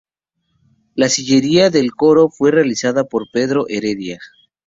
La sillería del coro fue realizada por Pedro de Heredia.